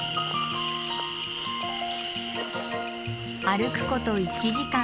歩くこと１時間。